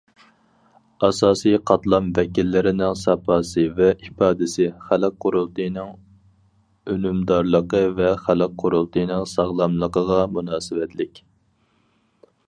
ئاساسىي قاتلام ۋەكىللىرىنىڭ ساپاسى ۋە ئىپادىسى خەلق قۇرۇلتىيىنىڭ ئۈنۈمدارلىقى ۋە خەلق قۇرۇلتىيىنىڭ ساغلاملىقىغا مۇناسىۋەتلىك.